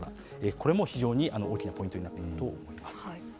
これも非常に大きなポイントになってくると思います。